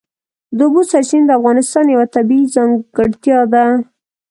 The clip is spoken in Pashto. د اوبو سرچینې د افغانستان یوه طبیعي ځانګړتیا ده.